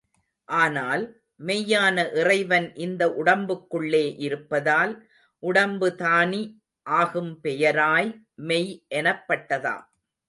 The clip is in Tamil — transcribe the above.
ஆனால், மெய்யான இறைவன் இந்த உடம்புக்குள்ளே இருப்பதால், உடம்பு தானி ஆகு பெயராய் மெய் எனப்பட்டதாம்.